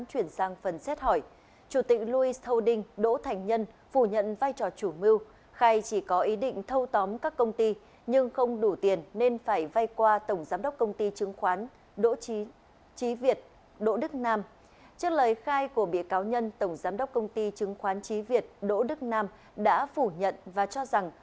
trước lời khai của bị cáo nhân tổng giám đốc công ty chứng khoán chí việt đỗ đức nam đã phủ nhận và cho rằng